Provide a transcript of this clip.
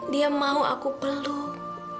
dia mau aku peluk